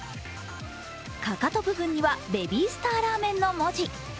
かかと部分にはベビースターラーメンの文字。